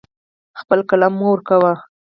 خپل قلم مه ورکوه.